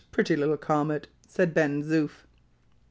pretty little comet!" said Ben Zoof.